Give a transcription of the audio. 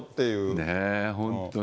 ねぇ、本当に。